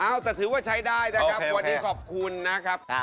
เอาแต่ถือว่าใช้ได้นะครับวันนี้ขอบคุณนะครับ